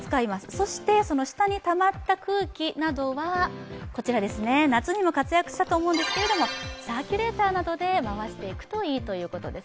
そして、下にたまった空気などは夏にも活躍したと思うんですけどサーキュレーターなどで回していくといいということです。